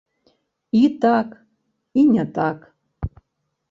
І так і не так.